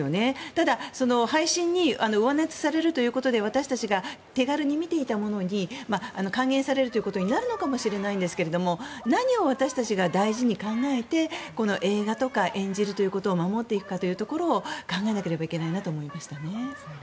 ただ、配信に上乗せされるということで私たちが手軽に見ていたものに還元されるということになるのかもしれないですが何を私たちが大事に考えてこの映画とか演じるということを守っていくかというところを考えていかなければいけないなと思いましたね。